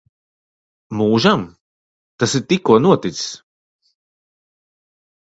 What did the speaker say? Mūžam? Tas ir tikko noticis.